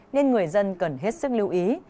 nên người dân cần hết sức lưu ý